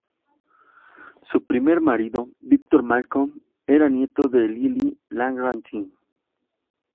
Su primer marido, Victor Malcolm, era nieto de Lillie Langtry.